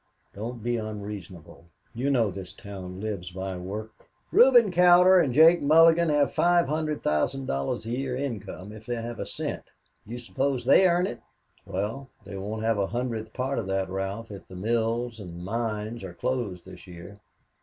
Don't be unreasonable. You know this town lives by work." "Reuben Cowder and Jake Mulligan have $500,000 a year income if they have a cent; do you suppose they earn it?" "Well, they won't have a hundredth part of that, Ralph, if the mills and mines are closed this year.